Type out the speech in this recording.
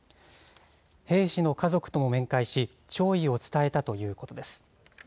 兵士の家族とも面会し、弔意を伝えたということです。